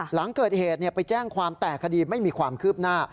หลังเกิดเหตุไปแจ้งความแต่คดีไม่มีความคืบหน้า